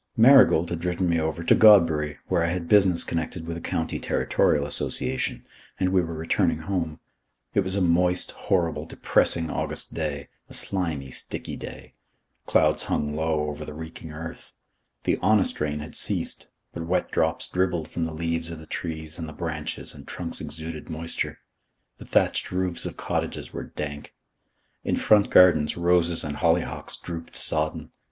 Marigold had driven me over to Godbury, where I had business connected with a County Territorial Association, and we were returning home. It was a moist, horrible, depressing August day. A slimy, sticky day. Clouds hung low over the reeking earth. The honest rain had ceased, but wet drops dribbled from the leaves of the trees and the branches and trunks exuded moisture. The thatched roofs of cottages were dank. In front gardens roses and hollyhocks drooped sodden.